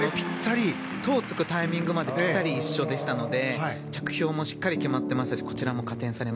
トウをつくタイミングまでしっかり一緒でしたので着氷もしっかり決まっています。